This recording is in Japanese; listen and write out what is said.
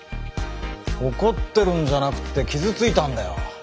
怒ってるんじゃなくって傷ついたんだよ。